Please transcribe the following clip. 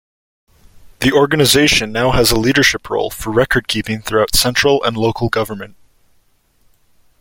The organisation now has a leadership role for recordkeeping throughout central and local government.